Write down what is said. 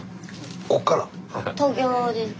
こっから？